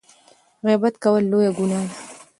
غیبت کول لویه ګناه ده.